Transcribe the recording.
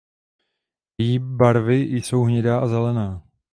Její barvy jsou hnědá a zelená.